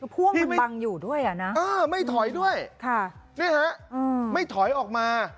พ่วงมันบังอยู่ด้วยอ่ะนะไม่ถอยด้วยไม่ถอยออกมา